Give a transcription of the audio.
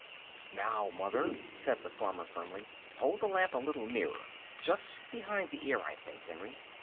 "Now, mother," said the farmer firmly, "hold the lamp a little nearer; just behind the ear, I think, Henry."